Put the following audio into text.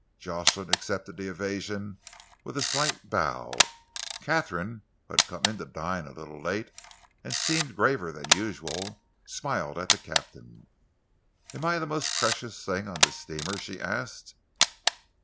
Jocelyn accepted the evasion with a slight bow. Katharine, who had come in to dine a little late and seemed graver than usual, smiled at the captain. "Am I the most precious thing on this steamer?" she asked.